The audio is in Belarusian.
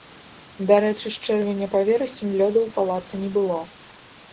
Дарэчы, з чэрвеня па верасень лёду у палацы не было.